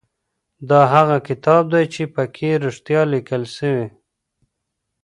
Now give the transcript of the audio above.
دا هغه کتاب دی چي په کي رښتیا لیکل سوي.